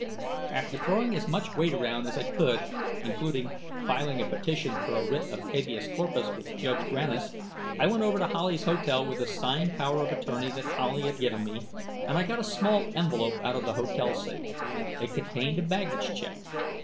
After throwing as much weight around as I could, including filing a petition for a writ of habeas corpus with Judge Grannis, I went over to Howley's hotel with a signed power of attorney that Howley had given me, and I got a small envelope out of the hotel safe. It contained a baggage check.